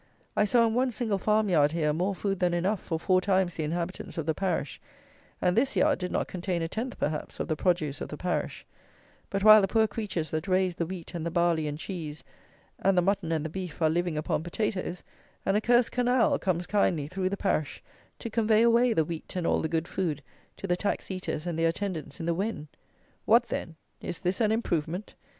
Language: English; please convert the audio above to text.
I saw in one single farmyard here more food than enough for four times the inhabitants of the parish; and this yard did not contain a tenth, perhaps, of the produce of the parish; but while the poor creatures that raise the wheat and the barley and cheese and the mutton and the beef are living upon potatoes, an accursed Canal comes kindly through the parish to convey away the wheat and all the good food to the tax eaters and their attendants in the Wen! What, then, is this "an improvement?"